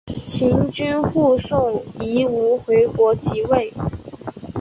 秦军护送夷吾回国即位。